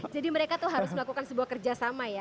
jadi mereka tuh harus melakukan sebuah kerjasama ya